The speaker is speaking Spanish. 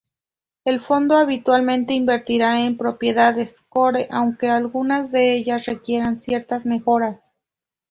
El fondo habitualmente invertirá en propiedades "core" aunque algunas de ellas requerirán ciertas mejoras.